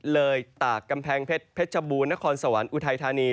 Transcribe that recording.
ตากกำแพงเพชรเพชรบูรณครสวรรค์อุทัยธานี